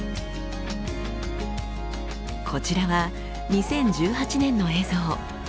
こちらは２０１８年の映像。